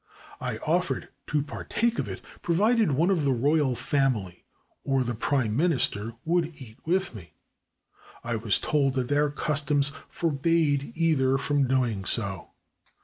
I offered to par take of it, provided one of the royal family or the Prime Minister would eat with me. I was told that their cus toms forbade either from doing so.